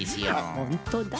ほんとだ。